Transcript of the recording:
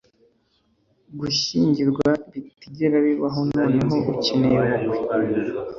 gushyingirwa bitigera bibaho noneho ukeneye ubukwe